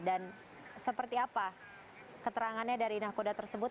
dan seperti apa keterangannya dari nahkoda tersebut